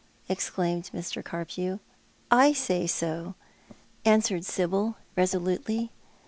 exclaimed Mr. Carpew. " I say so," answered Sibyl, resolutely.